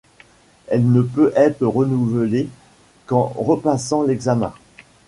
Elle ne peut être renouvelée qu’en repassant l’examen.